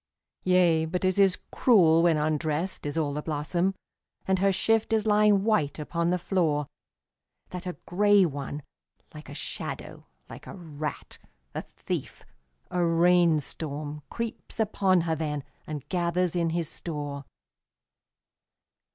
Yea, but it is cruel when undressed is all the blossom, And her shift is lying white upon the floor, That a grey one, like a shadow, like a rat, a thief, a rain storm Creeps upon her then and gathers in his store.